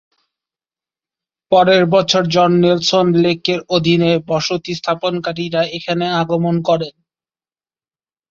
পরের বছর John Nelson লেক-এর অধীনে বসতি স্থাপনকারীরা এখানে আগমন করেন।